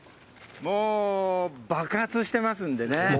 もう、爆発してますんでね。